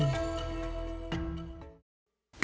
ร่วมสืบสารและอนุรักษ์วัฒนธรรมไทยโดยธนาคารกรุงเทพจำกัดมหาชน